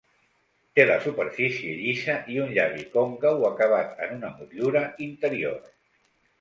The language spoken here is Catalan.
Té la superfície llisa i un llavi còncau acabat en una motllura interior.